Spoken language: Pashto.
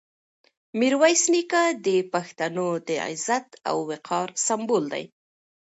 میرویس نیکه د پښتنو د عزت او وقار سمبول دی.